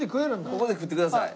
ここで食ってください。